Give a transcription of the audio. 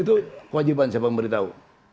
itu kewajiban siapa memberitahu